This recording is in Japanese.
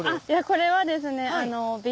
これはですね